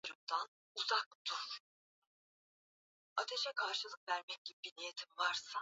kutoka Dar es Salaam ukisindikizwa na milima ya Usambara